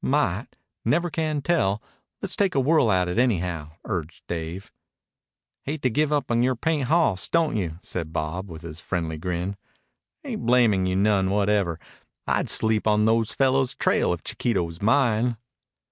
"Might. Never can tell. Le's take a whirl at it anyhow," urged Dave. "Hate to give up yore paint hoss, don't you?" said Bob with his friendly grin. "Ain't blamin' you none whatever, I'd sleep on those fellows' trail if Chiquito was mine.